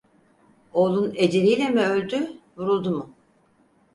Oğlun eceliyle mi öldü, vuruldu mu?